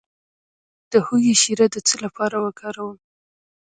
د هوږې شیره د څه لپاره وکاروم؟